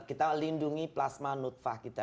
kita lindungi plasma nutfah kita